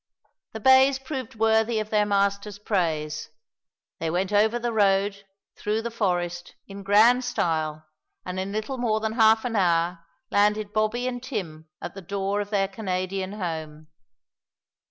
The bays proved worthy of their master's praise. They went over the road through the forest in grand style, and in little more than half an hour landed Bobby and Tim at the door of their Canadian home.